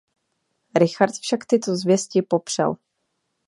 Richard však tyto zvěsti popřel.